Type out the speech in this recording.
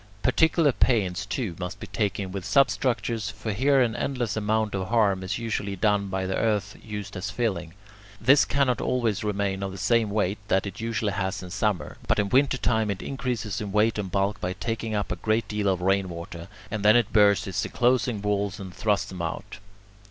Particular pains, too, must be taken with substructures, for here an endless amount of harm is usually done by the earth used as filling. This cannot always remain of the same weight that it usually has in summer, but in winter time it increases in weight and bulk by taking up a great deal of rain water, and then it bursts its enclosing walls and thrusts them out.